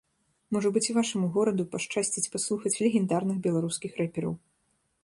Можа быць, і вашаму гораду пашчасціць паслухаць легендарных беларускіх рэпераў.